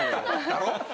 だろ？